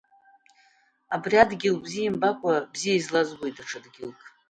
Абри адгьыл бзиа имбакәа, бзиа излазбои даҽа дгьылк!